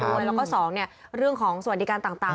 แล้วก็สองเนี่ยเรื่องของสวัสดิการตะง